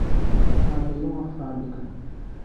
Abriu uma fábrica